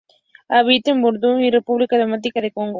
Habita en Burundi, Uganda y República Democrática del Congo.